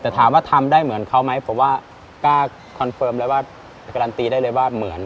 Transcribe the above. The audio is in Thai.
แต่ถามว่าทำได้เหมือนเขาไหมผมว่ากล้าคอนเฟิร์มแล้วว่าจะการันตีได้เลยว่าเหมือน